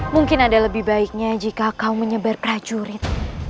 mungkin ada lebih baiknya jika kau menyebar prajurit